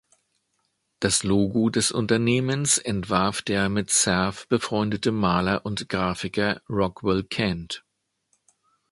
Das Logo des Unternehmens entwarf der mit Cerf befreundete Maler und Grafiker Rockwell Kent.